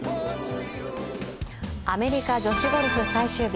アメリカ女子ゴルフ最終日。